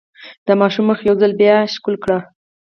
د ماشوم مخ يې يو ځل بيا ښکل کړ.